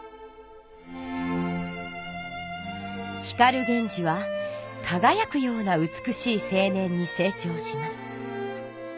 光源氏はかがやくような美しい青年に成長します。